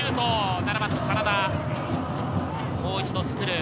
７番の真田、もう一度作る。